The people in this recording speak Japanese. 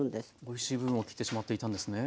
おいしい部分を切ってしまっていたんですね。